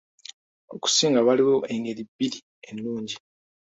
Okusinga waliwo engeri bbiri ennungi.